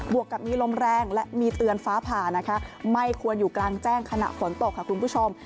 วกกับมีลมแรงและมีเตือนฟ้าผ่านะคะไม่ควรอยู่กลางแจ้งขณะฝนตกค่ะคุณผู้ชม